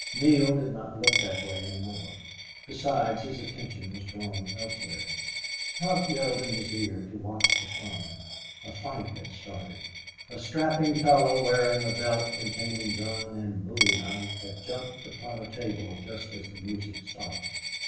Neale did not look that way any more. Besides, his attention was drawn elsewhere. Hough yelled in his ear to watch the fun. A fight had started. A strapping fellow wearing a belt containing gun and bowie knife had jumped upon a table just as the music stopped.